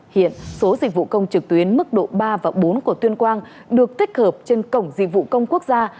hiện số dịch vụ công trực tuyến mức độ ba và bốn của tuyên quang được tích hợp trên cổng dịch vụ công quốc gia